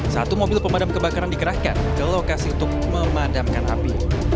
satu mobil pemadam kebakaran dikerahkan ke lokasi untuk memadamkan api